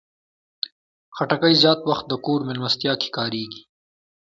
خټکی زیات وخت د کور مېلمستیا کې کارېږي.